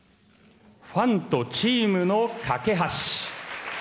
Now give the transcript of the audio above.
ファンとチームの架け橋。